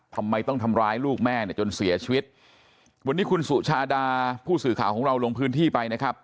ทำไมต้องทำร้ายลูกแม่เนี่ยจนเสียชีวิตวันนี้คุณสุชาดาผู้สื่อข่าวของเราลงพื้นที่ไปนะครับ